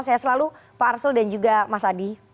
saya selalu pak arsul dan juga mas adi